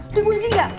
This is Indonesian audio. di kunci gak